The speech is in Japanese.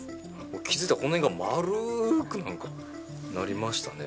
気付いたらこの辺が丸ーく、なんか、なりましたね。